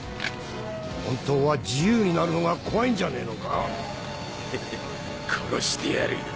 本当は自由になるのが怖いんじゃねえのか？へへ殺してやる。